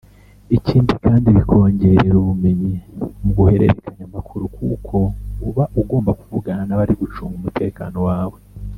Ikindi kandi bikongerera ubumenyi mu guhererekanya amakuru kuko uba ugomba kuvugana n’abari gucunga umutekano wawe